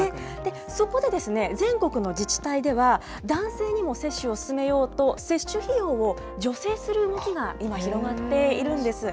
そこでですね、全国の自治体では男性にも接種をすすめようと、接種費用を助成する動きが、今、広がっているんです。